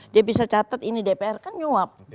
dia bisa catat ini dpr kan nyuap